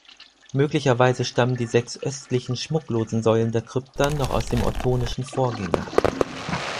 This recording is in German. Möglicherweise stammen die sechs östlichen, schmucklosen Säulen der Krypta noch aus dem ottonischen Vorgänger.